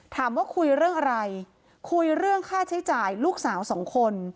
ถามว่าคุยเรื่องอะไรคุยเรื่องค่าใช้จ่ายลูกสาวสองคน